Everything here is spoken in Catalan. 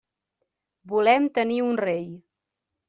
Volem tenir un rei.